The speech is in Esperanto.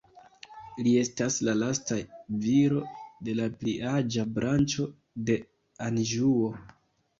Li estas la lasta viro de la pliaĝa branĉo de Anĵuo.